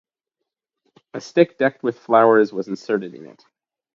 A stick decked with flowers was inserted in it.